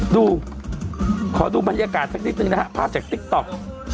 ขอดูบรรยากาศสักนิดนึงนะฮะภาพจากติ๊กต๊อก